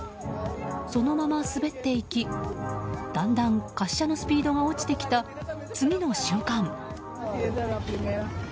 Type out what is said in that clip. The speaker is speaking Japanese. そのまま滑っていき、だんだん滑車のスピードが落ちてきた次の瞬間